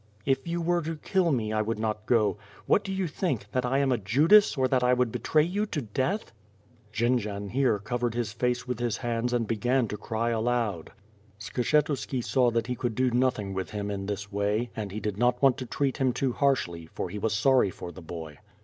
"If you were to kill me, I would not go. What do you think? That I am a Judas, or that I would betray you to death?" Jendzian here covered his face with his hands and began to cry aloud. Skshetuski saw that he could do nothing with him in this way, and he did not want to treat him too harshly, for he was sorry for the boy.